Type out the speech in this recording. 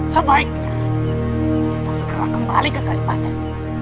sebaiknya kita segera kembali ke kalimantan